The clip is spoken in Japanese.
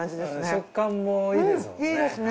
食感もいいですよね。